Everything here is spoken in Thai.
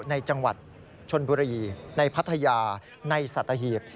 ในจังหวัดชนบุรีในพัทยาในสัตหีบ